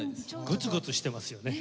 ゴツゴツしてますよね。